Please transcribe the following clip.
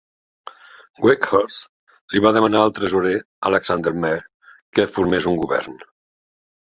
Wakehurst li va demanar al tresorer, Alexander Mair, que formés un govern.